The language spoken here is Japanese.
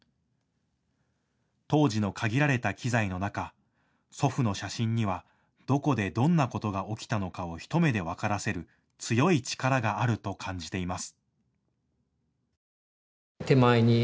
当時の限られた機材の中、祖父の写真にはどこでどんなことが起きたのかを一目で分からせる強い力があると感じています。